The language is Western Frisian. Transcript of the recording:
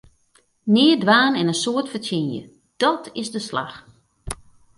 Neat dwaan en in soad fertsjinje, dàt is de slach!